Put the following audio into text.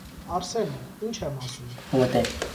Արսեն, ինչ եմ ասում: